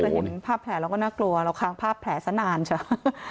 แต่เห็นภาพแผลเราก็น่ากลัวเราข้างภาพแผลสักนานเฉย